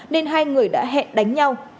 nên hai người đã hẹn đánh nhau